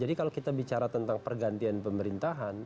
jadi kalau kita bicara tentang pergantian pemerintahan